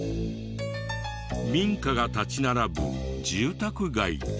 民家が立ち並ぶ住宅街で。